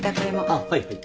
あっはいはい。